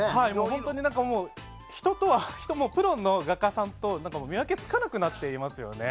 本当に人、プロの画家さんと見分けつかなくなってますもんね。